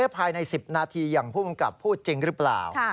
ภายใน๑๐นาทีอย่างผู้กำกับพูดจริงหรือเปล่า